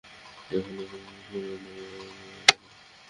এখনো কি সেই নোনতা ব্যাগুয়েট বানাও?